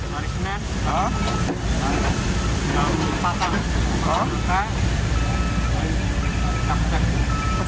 marismen patah pecah kemudian kembali kembali kembali kembali